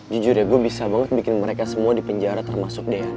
jujur ya gue bisa banget bikin mereka semua di penjara termasuk dean